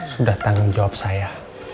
sudah tanggung jawab saya